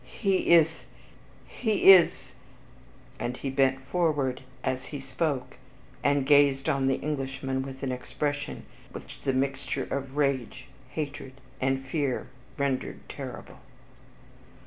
He is he is " and he bent forward as he spoke, and gazed on the Englishman with an expression which the mixture of rage, hatred, and fear rendered terrible.